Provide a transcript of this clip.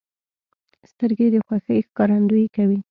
سترګې د خوښۍ ښکارندویي کوي